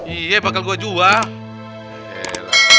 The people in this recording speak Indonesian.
iya bakal gua jual